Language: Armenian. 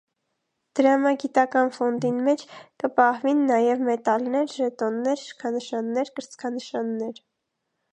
Դրամագիտական ֆոնդին մէջ կը պահուին նաեւ մետալներ, ժետոններ, շքանշաններ, կրծքանշաններ։